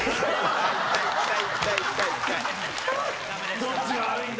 どっちが悪いんだ？